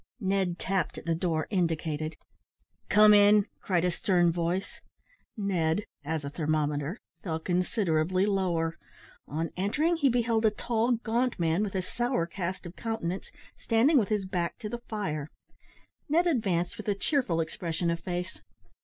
Ned tapped at the door indicated. "Come in," cried a stern voice. Ned, (as a thermometer), fell considerably lower. On entering, he beheld a tall, gaunt man, with a sour cast of countenance, standing with his back to the fire. Ned advanced with a cheerful expression of face.